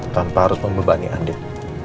tanpa harus membebani andien